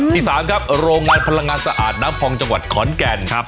ที่๓ครับโรงงานพลังงานสะอาดน้ำพองจังหวัดขอนแก่น